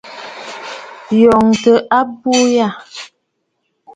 Yòŋə abuu yâ.